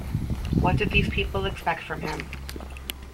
What did these people expect from him.